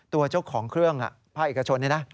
ตัวเจ้าของเครื่องภาคเอกชนนี่นะ